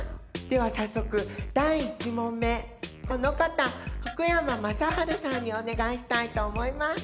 では早速第１問目この方福山雅治さんにお願いしたいと思います。